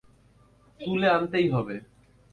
তুলে আনতেই হবে।